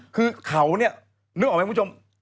คือเขาเนี่ยนึกออกไหมคุณผู้ชม